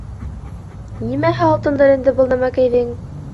Нимәһе алтындыр инде был нәмәкәйҙең?